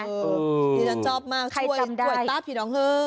เออมีมันจอบมากช่วยตาผิดของเธอ